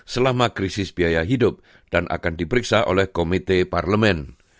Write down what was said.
selama krisis biaya hidup dan akan diperiksa oleh komite parlemen